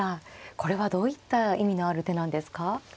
これはどういった意味のある手なんですか。